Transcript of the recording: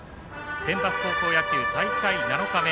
センバツ高校野球大会７日目。